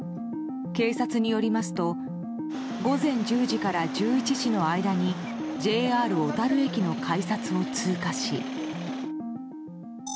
警察によりますと午前１０時から１１時の間にＪＲ小樽駅の改札を通過し。